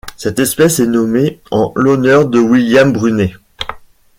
Cette espèce est nommée en l'honneur de William Brunet.